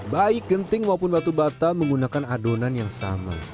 baik genting maupun batu bata menggunakan adonan yang sama